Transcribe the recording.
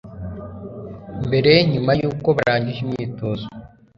mbere nyuma y uko barangije imyitozo